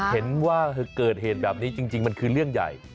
เห็นว่าเกิดเหตุแบบนี้จริงมันคือเรื่องใหญ่